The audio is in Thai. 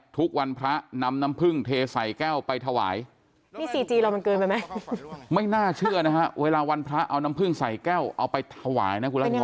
ทุกวันพระนำน้ำพึ่งเทใส่แก้วไปถวาย